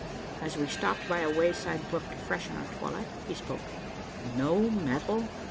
As we stopped by a wayside brook to freshen our toilet, he spoke. "No metal?"